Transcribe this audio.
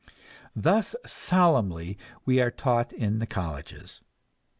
Thus solemnly we are taught in the colleges.